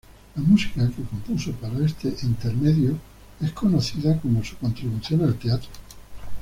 La música que compuso para este intermedio es conocida como su contribución al teatro.